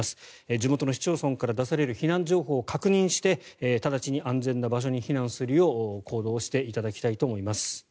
地元も市町村から出される避難情報を確認して直ちに安全な場所に避難するよう行動していただきたいと思います。